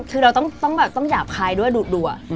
คือเราต้องหยาบคายด้วยดูดดัว